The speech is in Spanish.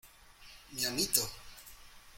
¡ mi amito!